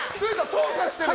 操作してる！